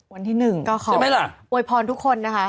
วันที่๑โอ้ยพรทุกคนนะคะ